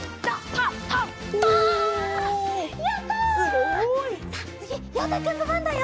すごい！さあつぎようたくんのばんだよ。